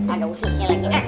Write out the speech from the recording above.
ada ususnya lagi